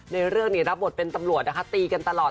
ในเรื่องนี้รับบทเป็นตำรวจนะคะตีกันตลอด